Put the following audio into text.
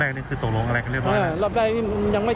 นี่คือตกลงอะไรกันเรียบร้อยรอบแรกนี่มันยังไม่